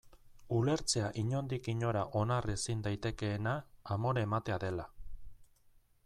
Ulertzea inondik inora onar ezin daitekeena amore ematea dela.